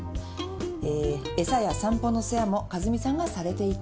えー餌や散歩の世話も和美さんがされていたと。